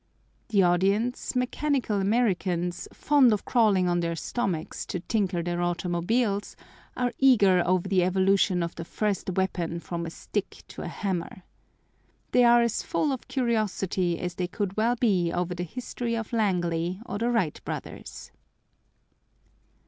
The audience, mechanical Americans, fond of crawling on their stomachs to tinker their automobiles, are eager over the evolution of the first weapon from a stick to a hammer. They are as full of curiosity as they could well be over the history of Langley or the Wright brothers.